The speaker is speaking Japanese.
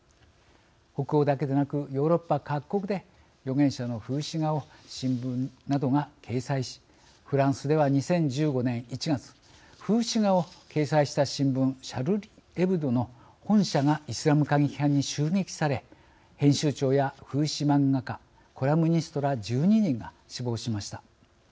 北欧だけでなくヨーロッパ各国で預言者の風刺画を新聞などが掲載しフランスでは２０１５年１月風刺画を掲載した新聞「シャルリ・エブド」の本社がイスラム過激派に襲撃され編集長や風刺漫画家コラムニストら１２人が死亡しました。